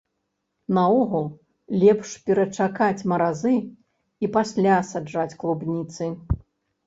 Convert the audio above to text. Наогул, лепш перачакаць маразы, і пасля саджаць клубніцы.